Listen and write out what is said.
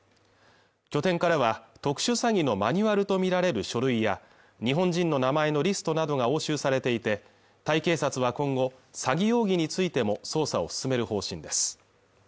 拠点からは特殊詐欺のマニュアルとみられる書類や日本人の名前のリストなどが押収されていてタイ警察は今後詐欺容疑についても捜査を進める方針です